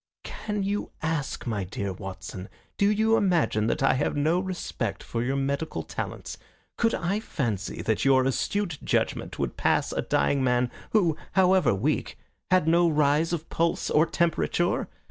"Can you ask, my dear Watson? Do you imagine that I have no respect for your medical talents? Could I fancy that your astute judgment would pass a dying man who, however weak, had no rise of pulse or temperature?